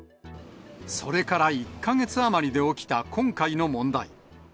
それから１か月余りで起きた今回の問題。